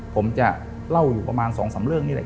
ผมจะเล่าอยู่ประมาณ๒๓เรื่องนี่แหละ